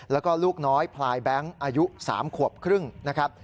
แล้วก็ลูกน้อยพลายแบงค์อายุ๓ขวบครึ่งนะครับ